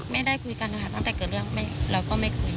ไม่ได้คุยกันนะคะตั้งแต่เกิดเรื่องเราก็ไม่คุย